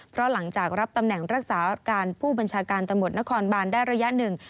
เพราะหลังจากรับตำแหน่งรักษาการผู้บัญชาการตำรวจนครบานได้ระยะหนึ่ง